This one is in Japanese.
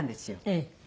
ええ。